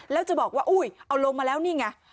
แล้วจะบอกว่าอุ้ยเอาลงมาแล้วนี่ไง